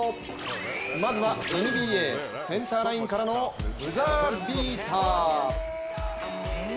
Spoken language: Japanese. まずはＮＢＡ、センターラインからのブザービーター。